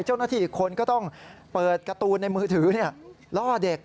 เจ้าหน้าที่อีกคนก็ต้องเปิดการ์ตูนในมือถือล่อเด็ก